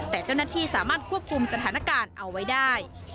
แต่เจ้าหน้าที่สามารถควบคุมสถานการณ์เอาไว้ได้